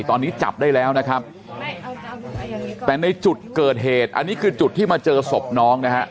ตอนนี้จับได้แล้วนะครับแต่ในจุดเกิดเหตุอันนี้คือจุดที่มาเจอศพน้องนะฮะ